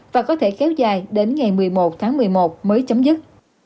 và có thể kéo dài đến ngày một mươi một tháng một mươi một mới chấm dứt